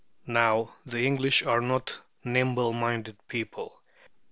Now, the English are not a nimble minded people.